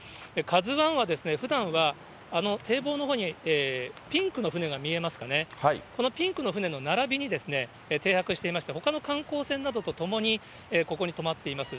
カズワンは、ふだんはあの堤防のほうにピンクの船が見えますかね、このピンクの船の並びに停泊していまして、ほかの観光船などとともにここに止まっています。